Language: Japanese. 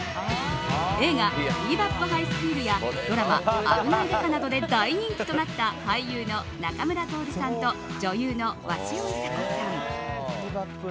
映画「ビー・バップ・ハイスクール」やドラマ「あぶない刑事」などで大人気となった俳優の仲村トオルさんと女優の鷲尾いさ子さん。